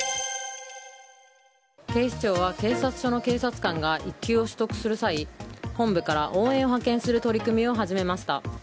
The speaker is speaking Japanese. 警視庁は警察署の警察官が育休を取得する際本部から応援を派遣する取り組みを始めました。